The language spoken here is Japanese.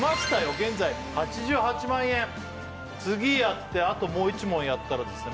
現在８８万円次やってあともう１問やったらですね